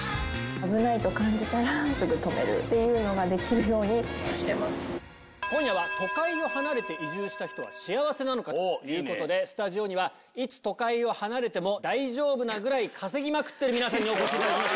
危ないと感じたらすぐ止める今夜は、都会を離れて移住した人は幸せなのか？ということで、スタジオには、いつ都会を離れても大丈夫なぐらい稼ぎまくってる皆さんにお越しいただきました。